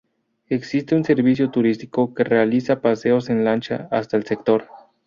Existe un servicio turístico que realiza paseos en lancha hasta el sector.